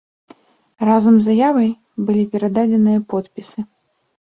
Разам з заявай былі перададзеныя подпісы.